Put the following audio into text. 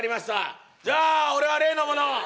じゃあ俺は例のものを！